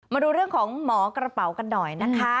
มาดูเรื่องของหมอกระเป๋ากันหน่อยนะคะ